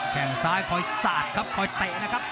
แข่งซ้ายคอยสาดครับคอยเตะนะครับ